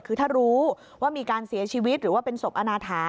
คือถ้ารู้ว่ามีการเสียชีวิตหรือว่าเป็นศพอนาถา